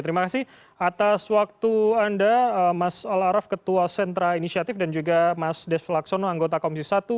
terima kasih atas waktu anda mas al araf ketua sentra inisiatif dan juga mas des laksono anggota komisi satu